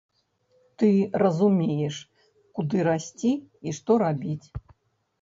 Ты разумееш, куды расці і што рабіць.